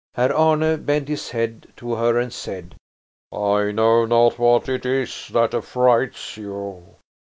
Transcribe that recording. Herr Arne bent his head to her and said: "I know not what it is that affrights you."